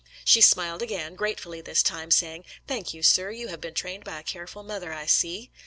She smiled again, gratefully this time, saying, " Thank you, sir. You have been trained by a careful mother, I see.